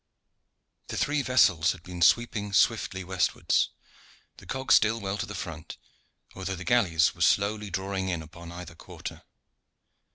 The three vessels had been sweeping swiftly westwards, the cog still well to the front, although the galleys were slowly drawing in upon either quarter.